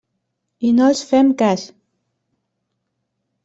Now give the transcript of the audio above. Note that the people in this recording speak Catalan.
I no els fem cas.